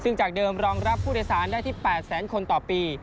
ซึ่งจากเดิมรองรับผู้โดยสารได้ที่๘แสนคนต่อปี